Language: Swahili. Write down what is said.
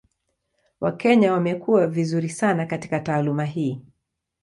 Wakenya wamekuwa vizuri sana katika taaluma hii.